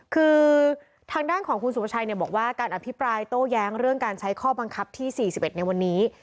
คือทางด้านของคุณสุภาชัยบอกว่าการอภิปรายโต้แย้งเรื่องการใช้ข้อบังคับที่๔๑ในวันนี้